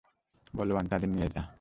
বলওয়ান, তাদের নিয়ে যা।